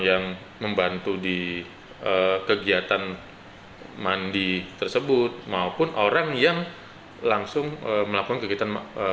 apakah hal ini ada di dalam konten